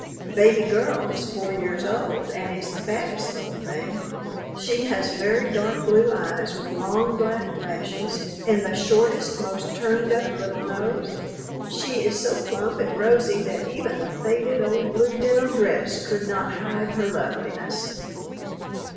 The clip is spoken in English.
Baby Girl is four years old and is the fattest little thing. She has very dark blue eyes with long, black lashes, and the shortest, most turned up little nose. She is so plump and rosy that even the faded old blue denim dress could not hide her loveliness.